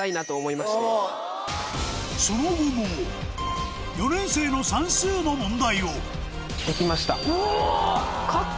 その後も４年生の算数の問題をお！